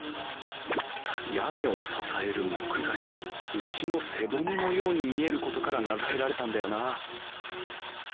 屋根を支える木材が牛の背骨のように見えることから名付けられたんだよなあ